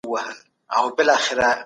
کاردستي ماشومانو ته نوښت او تفکر زده کوي.